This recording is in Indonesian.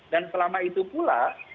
dan selama itu pula